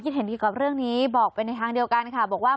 เห็นดีกับเรื่องนี้บอกไปในทางเดียวกันค่ะบอกว่า